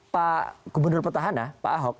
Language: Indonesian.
pak gubernur petahana pak ahok